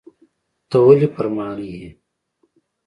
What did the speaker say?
ته ولي پر ماڼي یې ؟